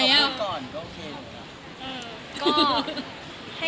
ก็ให้ผู้ชายพบก่อนดีกว่าค่ะ